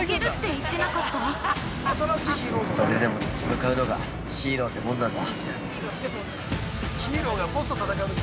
◆それでも立ち向かうのがヒーローってもんなんだ。